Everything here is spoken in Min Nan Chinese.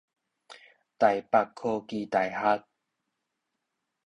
臺北科技大學